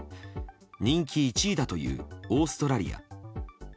人気１位だというオーストラリア。